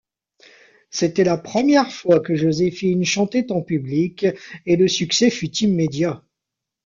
C'était la première fois que Joséphine chantait en public et le succès fut immédiat.